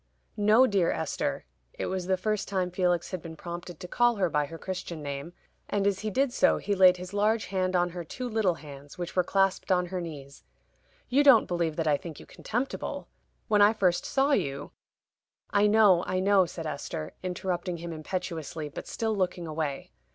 "No, dear Esther" it was the first time Felix had been prompted to call her by her Christian name, and as he did so he laid his large hand on her two little hands, which were clasped on her knees. "You don't believe that I think you contemptible. When I first saw you " "I know, I know," said Esther, interrupting him impetuously, but still looking away.